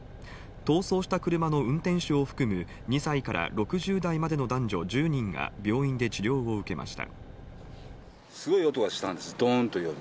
逃走した車の運転手を含む２歳から６０代までの男女１０人が病院で治療を受けました。